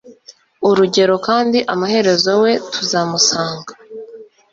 urugero, kandi amaherezo we tuzamusanga